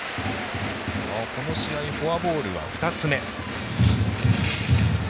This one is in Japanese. この試合、フォアボールは２つ目。